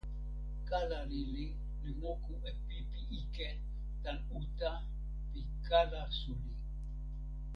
kala lili li moku e pipi ike tan uta pi kala suli.